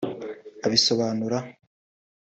abisobanura